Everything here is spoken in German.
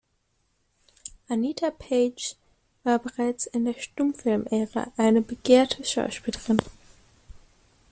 Anita Page war bereits in der Stummfilmära eine begehrte Schauspielerin.